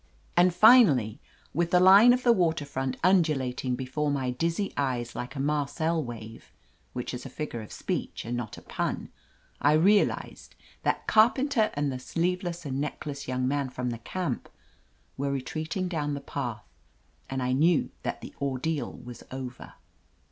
And finally, with the line of the waterfront undulating before my dizzy eyes like a marcel wave — ^which is a figure of speech and not a pun — I realized that Car penter and the sleeveless and neckless young man from the camp were retreating down the path, and I knew that the ordeal was over.